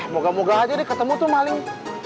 moga moga aja deh ketemu tuh maling